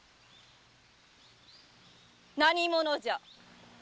何者じゃ？